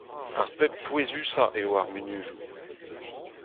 Ar pep pouezusañ eo ar munudoù.